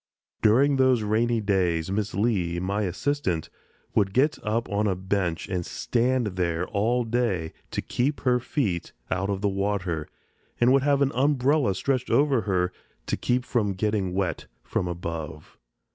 During those rainy days Miss Lee, my assistant, would get up on a bench and stand there all day to keep her feet out of the water and would have an umbrella stretched over her to keep from getting wet from above.